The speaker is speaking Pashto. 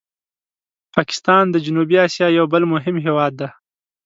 پاکستان د جنوبي آسیا یو بل مهم هېواد دی.